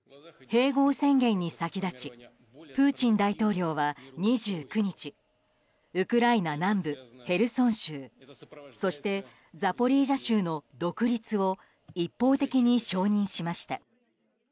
併合宣言に先立ちプーチン大統領は２９日ウクライナ南部ヘルソン州そしてザポリージャ州の独立を一方的に承認しました。